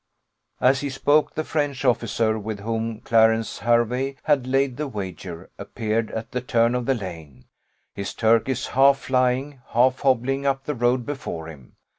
"As he spoke, the French officer, with whom Clarence Hervey had laid the wager, appeared at the turn of the lane his turkeys half flying half hobbling up the road before him.